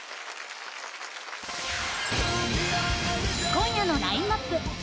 今夜のラインナップ。